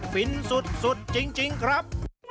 ฟินสุดจริงครับ